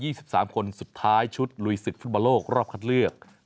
ทีมชาติไทย๒๓คนสุดท้ายชุดลุยศึกฟุตบาลโลกรอบคัดเลือก